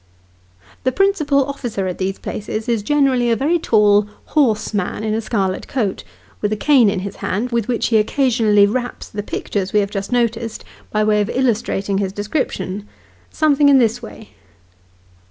The principal officer at these places is generally a very tall, hoarse man, in a scarlet coat, with a cane in his hand, with which he occasion ally raps the pictures we have just noticed, by way of illustrating his description something in this way.